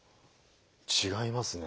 違いますね。